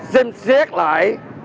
xem xét lại